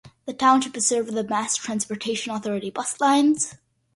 The township is served by the Mass Transportation Authority bus lines.